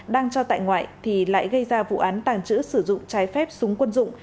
đang cho tại ngoại thì lại gây ra vụ án tàng trữ sử dụng trái phép súng quân dụng